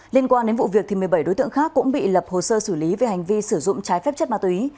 liên quan đến vụ việc một mươi bảy đối tượng khác cũng bị lập hồ sơ xử lý về hành vi sử dụng trái phép chất ma túy